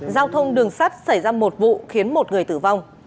giao thông đường sắt xảy ra một vụ khiến một người tử vong